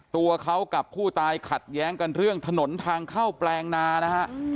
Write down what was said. ตัวเขากับผู้ตายขัดแย้งกันเรื่องถนนทางเข้าแปลงนานะฮะ